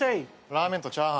ラーメンとチャーハン。